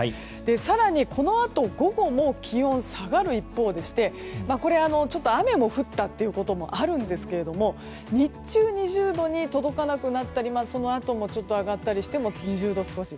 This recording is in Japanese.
更にこのあと午後も気温が下がる一方でして雨も降ったということもあるんですが日中、２０度に届かなくなったりそのあとも上がったりしても２０度少し。